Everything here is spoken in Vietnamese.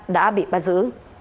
đã bị bắt giữ